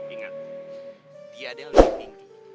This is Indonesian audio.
ingat dia adalah lebih tinggi